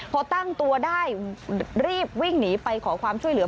พอตั้งตัวได้รีบวิ่งหนีไปขอความช่วยเหลือ